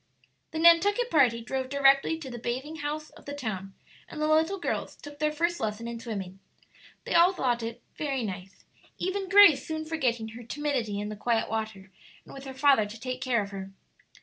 The Nantucket party drove directly to the bathing house of the town, and the little girls took their first lesson in swimming. They all thought it "very nice," even Grace soon forgetting her timidity in the quiet water and with her father to take care of her.